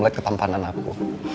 lihat ketampanan aku